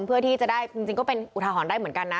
เพื่อที่จะได้จริงก็เป็นอุทาหรณ์ได้เหมือนกันนะ